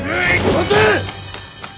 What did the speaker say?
待て！